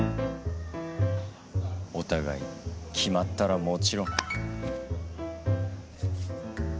お互い決まったらもちろん。